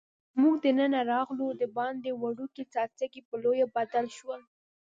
موږ دننه راغلو، دباندې وړوکي څاڅکي پر لویو بدل شول.